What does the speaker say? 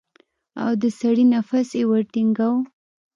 او د سړي نفس يې ورټنگاوه.